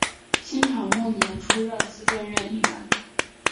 清朝末年出任资政院议员。